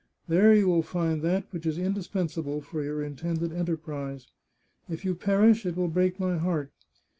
There you will find that which is indispensable for your intended enterprise. If you perish it will break my heart!